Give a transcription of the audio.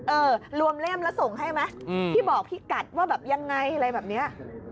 เออรวมเล่มแล้วส่งให้ไหมที่บอกพี่กัดว่าแบบยังไงอะไรแบบนี้